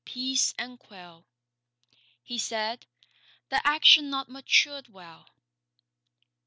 'Peace and quell,' He said, 'the action not maturèd well.